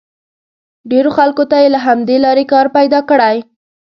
ډېرو خلکو ته یې له همدې لارې کار پیدا کړی.